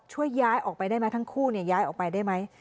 ย้ายออกไปได้ไหมทั้งคู่ย้ายออกไปได้ไหม